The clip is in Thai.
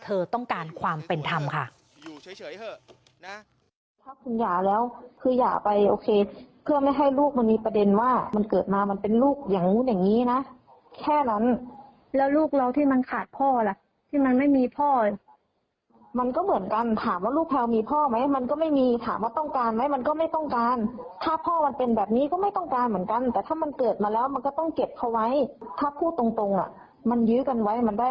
ร้องเรียนหน่วยงานต้นสังกัดเธอต้องการความเป็นธรรมค่ะ